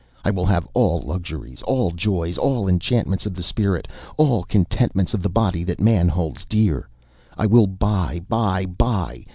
I will have all luxuries, all joys, all enchantments of the spirit, all contentments of the body that man holds dear. I will buy, buy, buy!